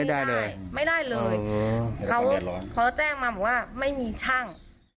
ไม่ได้เลยไม่ได้เลยเขาพอแจ้งมาบอกว่าไม่มีช่าง